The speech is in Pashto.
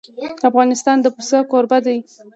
افغانستان د پسه کوربه دی.